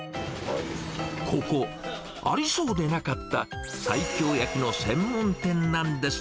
ここ、ありそうでなかった西京焼きの専門店なんです。